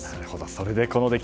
それでこの出来。